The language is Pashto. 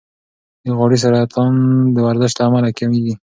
د غاړې سرطان د ورزش له امله کمېږي.